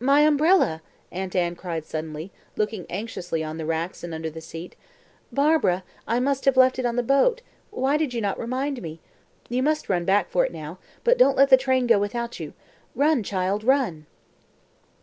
"My umbrella!" Aunt Anne cried suddenly, looking anxiously on the racks and under the seat. "Barbara, I must have left it on the boat; why did you not remind me? You must just run back for it now but don't let the train go without you. Run, child, run!"